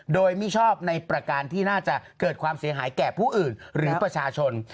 โดยมิชอบในประการที่น่าจะเกิดความเสียหายแก่ผู้อื่นหรือประชาชน